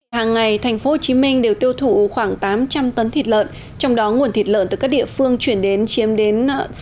hàng ngày thành phố hồ chí minh đều tiêu thụ khoảng tám trăm linh tấn thịt lợn trong đó nguồn thịt lợn từ các địa phương chuyển đến chiếm đến sáu mươi